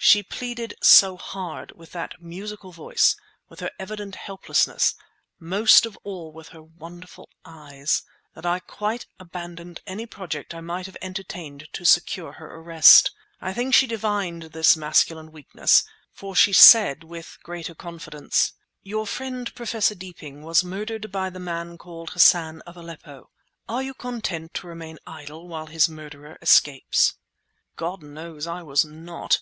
She pleaded so hard, with that musical voice, with her evident helplessness, most of all with her wonderful eyes, that I quite abandoned any project I might have entertained to secure her arrest. I think she divined this masculine weakness, for she said, with greater confidence— "Your friend, Professor Deeping, was murdered by the man called Hassan of Aleppo. Are you content to remain idle while his murderer escapes?" God knows I was not.